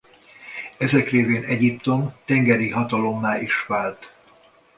Ezek révén Egyiptom tengeri hatalommá is vált.